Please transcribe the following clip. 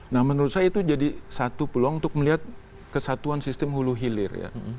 nah menurut saya itu jadi satu peluang untuk melihat kesatuan sistem hulu hilir ya